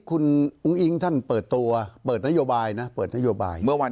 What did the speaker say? คุณอุ้งอิ๊งท่านเปิดตัวเปิดนโยบายนะเปิดนโยบายเมื่อวาน